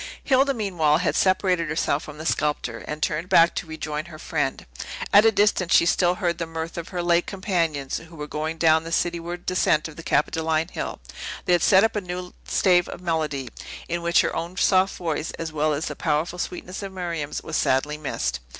Hilda, meanwhile, had separated herself from the sculptor, and turned back to rejoin her friend. At a distance, she still heard the mirth of her late companions, who were going down the cityward descent of the Capitoline Hill; they had set up a new stave of melody, in which her own soft voice, as well as the powerful sweetness of Miriam's, was sadly missed.